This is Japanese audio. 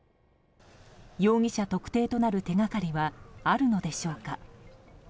容疑者特定となる手掛かりはあるのでしょうか。